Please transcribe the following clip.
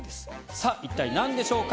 さぁ一体何でしょうか？